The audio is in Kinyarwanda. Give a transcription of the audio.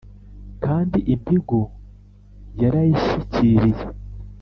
Kandi impigu yarayishyikiriye